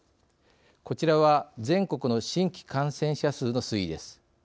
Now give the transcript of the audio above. こちらは全国の新規感染者数の推移です。